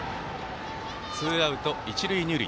ツーアウト、一塁二塁。